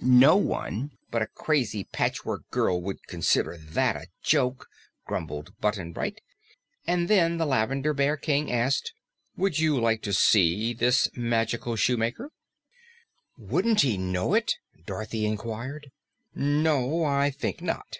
"No one but a crazy Patchwork Girl would consider that a joke," grumbled Button Bright. And then the Lavender Bear King asked, "Would you like to see this magical shoemaker?" "Wouldn't he know it?" Dorothy inquired. "No, I think not."